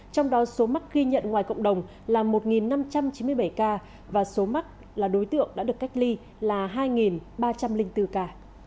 trong đó số mắc ghi nhận ngoài cộng đồng là một năm trăm chín mươi bảy ca và số mắc là đối tượng đã được cách ly là hai ba trăm linh bốn ca